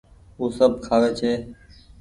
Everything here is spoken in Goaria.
او سب کآوي ڇي۔